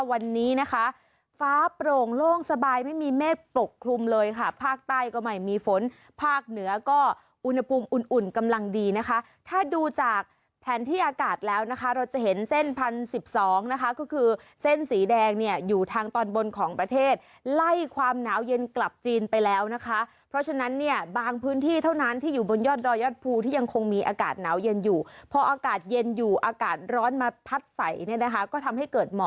อุณหภูมิอุ่นอุ่นกำลังดีนะคะถ้าดูจากแผนที่อากาศแล้วนะคะเราจะเห็นเส้นพันสิบสองนะคะก็คือเส้นสีแดงเนี่ยอยู่ทางตอนบนของประเทศไล่ความหนาวเย็นกลับจีนไปแล้วนะคะเพราะฉะนั้นเนี่ยบางพื้นที่เท่านั้นที่อยู่บนยอดดอยอดภูที่ยังคงมีอากาศหนาวเย็นอยู่พออากาศเย็นอยู่อากาศร้อนมาพัดใสเนี่ยนะคะก็